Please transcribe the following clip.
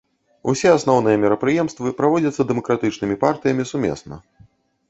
Усе асноўныя мерапрыемствы праводзяцца дэмакратычнымі партыямі сумесна.